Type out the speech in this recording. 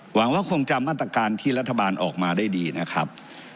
หวังว่าคงจำมาตรการที่รัฐบาลออกมาได้ดีนะครับ